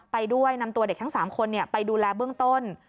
ไปด้วยนำตัวเด็กทั้ง๓คนไปดูแลเบื้องต้น